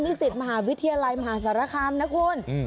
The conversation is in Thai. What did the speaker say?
สิทธิ์มหาวิทยาลัยมหาสารคามนะคุณ